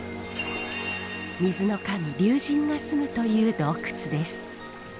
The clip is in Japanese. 水の神龍神がすむという洞窟です。